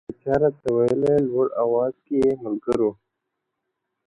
يو چا راته ويله لوړ اواز كي يې ملـگـــرو،